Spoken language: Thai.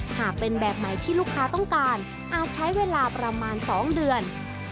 หากเป็นแบบไหนที่ลูกค้าต้องการอาจใช้เวลาประมาณ๒เดือน